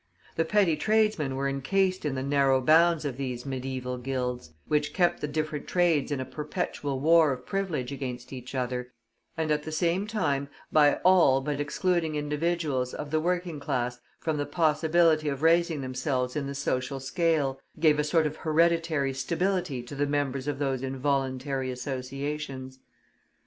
The petty tradesmen were encased in the narrow bounds of these Mediæval guilds, which kept the different trades in a perpetual war of privilege against each other, and at the same time, by all but excluding individuals of the working class from the possibility of raising themselves in the social scale, gave a sort of hereditary stability to the members of those involuntary associations.